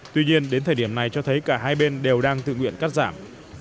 tuy nhiên đến thời điểm này cho thấy cả hai bên đều đang tự nguyện cắt giảm